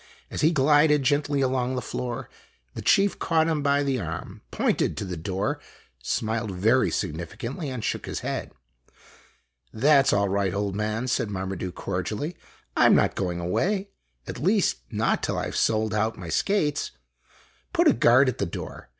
As he glided gently along the floor the chief caught him by the arm, pointed to the door, smiled very signifi cantly, and shook his head. "That 's all right, old man," said Marmaduke cordially. "I 'm not going away. At least, not till I Ve sold out my skates. Put a guard at the door